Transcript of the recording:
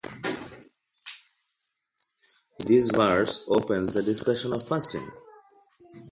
This verse opens the discussion of fasting.